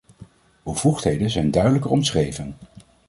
Bevoegdheden zijn duidelijker omschreven.